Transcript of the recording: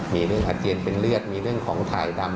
มีเรื่องอาเจียนเป็นเลือดมีเรื่องของถ่ายดำ